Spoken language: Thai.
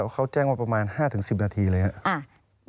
เขาแจ้งมาประมาณ๕๑๐นาทีเลยครับ